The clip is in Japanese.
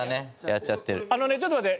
あのねちょっと待って。